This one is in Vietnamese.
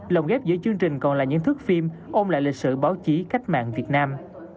lồng ghép giữa chương trình còn là những thước phim ôm lại lịch sử báo chí cách mạng việt nam